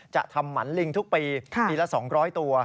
จะทำหมันลิงทุกปีปีละ๒๐๐ตัว